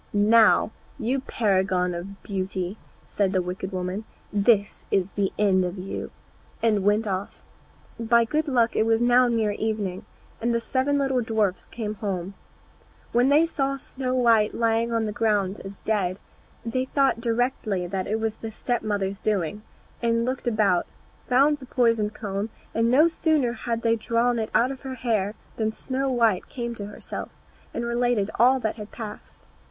"Now, you paragon of beauty," said the wicked woman, "this is the end of you," and went off. By good luck it was now near evening, and the seven little dwarfs came home. When they saw Snow white lying on the ground as dead, they thought directly that it was the step mother's doing, and looked about, found the poisoned comb, and no sooner had they drawn it out of her hair than Snow white came to herself, and related all that had passed.